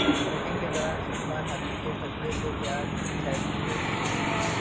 shooting کے دوران اکشے کمار ہاتھی کے فضلے سے تیار چائے پی گئے